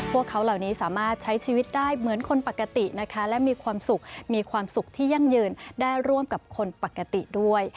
พวกเขาเหล่านี้สามารถใช้ชีวิตได้เหมือนคนปกตินะคะและมีความสุขมีความสุขที่ยั่งยืนได้ร่วมกับคนปกติด้วย